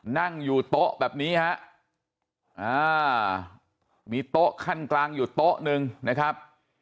นั่งอยู่โต๊ะแบบนี้มีโต๊ะขั้นกลางอยู่โต๊ะ๑นะครับ